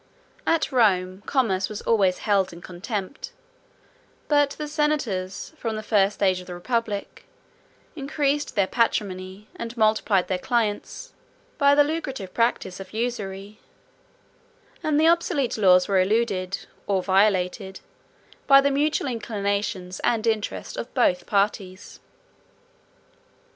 At Rome, commerce was always held in contempt: but the senators, from the first age of the republic, increased their patrimony, and multiplied their clients, by the lucrative practice of usury; and the obselete laws were eluded, or violated, by the mutual inclinations and interest of both parties.